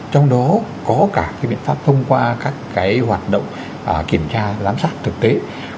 trong đó có cả cái biện pháp thông qua các cái hoạt động kiểm tra giám sát thực tế